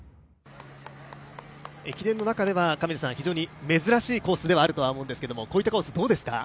駅伝の中では非常に珍しいコースではあると思うんですが、こういったコースどうですか。